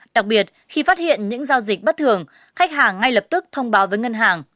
đặc biệt khi phát hiện những giao dịch bất thường khách hàng ngay lập tức thông báo với ngân hàng